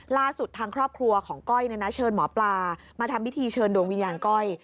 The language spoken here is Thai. ล่าสุดทางครอบครัวของก้อยเชิญหมอปลามาทำพิธีเชิญดวงวิญญาณก้อย